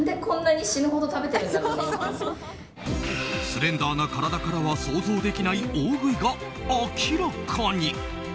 スレンダーな体からは想像できない大食いが明らかに。